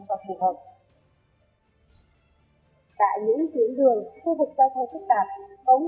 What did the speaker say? phương án bố trí lực lượng công việc làm nội dụng